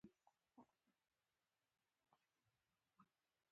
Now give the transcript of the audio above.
دا خو کیدای شوه چې یوځلې دې وای ځان ته نږدې